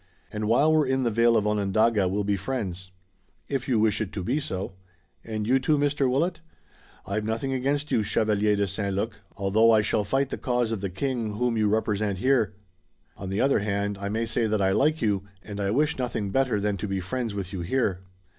"And while we're in the vale of Onondaga we'll be friends." "If you wish it to be so." "And you too, Mr. Willet?" "I've nothing against you, Chevalier de St. Luc, although I shall fight the cause of the king whom you represent here. On the other hand I may say that I like you and I wish nothing better than to be friends with you here."